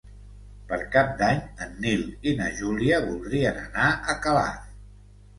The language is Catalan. Per Cap d'Any en Nil i na Júlia voldrien anar a Calaf.